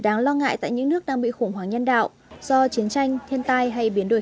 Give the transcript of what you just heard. đáng lo ngại tại những nước đang bị khủng hoảng nhân đạo do chiến tranh thiên tai hay biến đổi